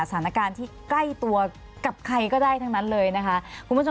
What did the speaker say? สถานการณ์ที่ใกล้ตัวกับใครก็ได้ทั้งนั้นเลยนะคะคุณผู้ชม